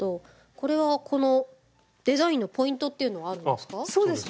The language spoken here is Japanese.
これはこのデザインのポイントっていうのはあるんですか？